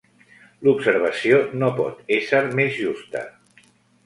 L'observació no pot ésser més justa!